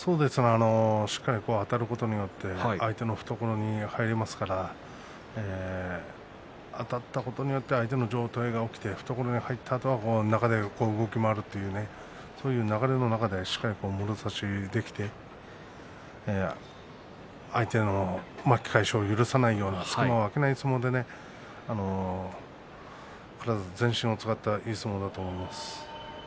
しっかりあたることによって、相手の懐に入りますからあたったことによって相手の上体が起きて懐に入って動き回るというそういう流れの中でしっかりともろ差しできて相手の巻き返しを許さないような相撲で全身を使ったいい相撲だと思います。